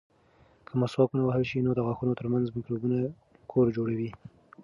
که مسواک ونه وهل شي، نو د غاښونو ترمنځ مکروبونه کور جوړوي.